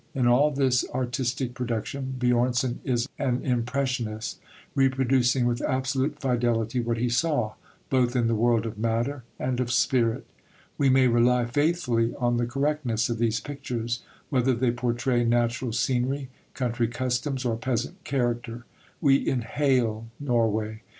In all this artistic production Björnson is an impressionist, reproducing with absolute fidelity what he saw, both in the world of matter and of spirit. We may rely faithfully on the correctness of these pictures, whether they portray natural scenery, country customs, or peasant character. We inhale Norway.